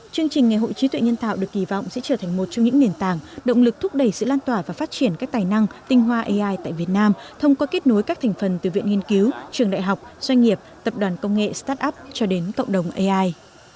chương trình ngày hội trí tuệ nhân tạo được kỳ vọng sẽ trở thành một trong những nền tảng động lực thúc đẩy sự lan tỏa và phát triển các tài năng tinh hoa ai tại việt nam thông qua kết nối các thành phần từ viện nghiên cứu trường đại học doanh nghiệp tập đoàn công nghệ start up cho đến cộng đồng ai